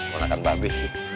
konakan mbak be